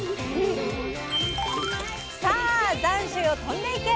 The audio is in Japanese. さあ残暑よ飛んでいけ！